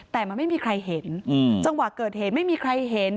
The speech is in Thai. แต่มันไม่มีใครเห็นจังหวะเกิดเหตุไม่มีใครเห็น